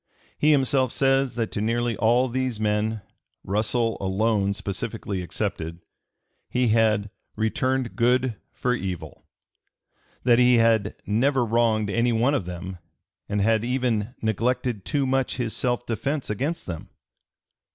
He himself says that to nearly all these men Russell alone specifically excepted he had "returned good for evil," that he had "never wronged any one of them," and had even "neglected too much his self defence against them."